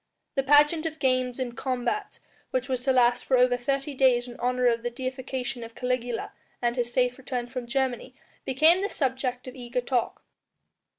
The pageant of games and combats which was to last for over thirty days in honour of the deification of Caligula and his safe return from Germany became the subject of eager talk.